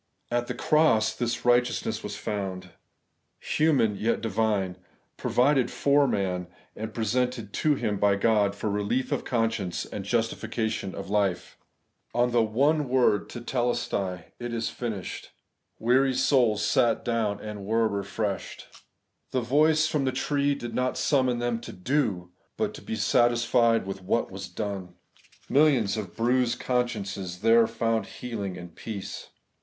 At the cross this 'righteousness' was found; human, yet divine : provided for man, and presented to him by God, for relief of conscience and justi fication of life. On the one word reTeKearai, ' It is finished/ as on a heavenly resting place, weary souls sat down and were refreshed. The voice from the tree did not summon them to do, but to be satisfied with what was done. Millions of bruised consciences there found healing and peace.